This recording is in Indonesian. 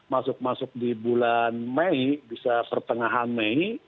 masuk masuk di bulan mei bisa pertengahan mei